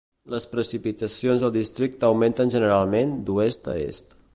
Les precipitacions al districte augmenten generalment d'oest a est.